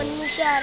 ya takut sama api